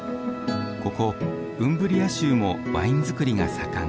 ここウンブリア州もワイン造りが盛ん。